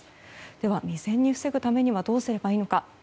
では未然に防ぐためにはどうすればいいのか。